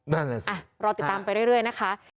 นั่นแหละสิรอติดตามไปเรื่อยนะคะ